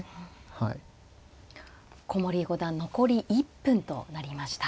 古森五段残り１分となりました。